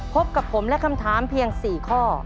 พบกับผมและคำถามเพียง๔ข้อ